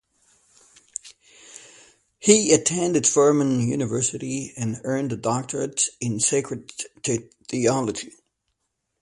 He attended Furman University and earned a doctorate in Sacred Theology.